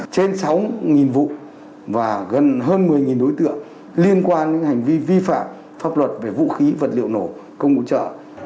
trên sáu vụ và gần hơn một mươi đối tượng liên quan đến hành vi vi phạm pháp luật về vũ khí vật liệu nổ công cụ trợ